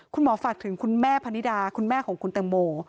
ฝากถึงคุณแม่พนิดาคุณแม่ของคุณแตงโม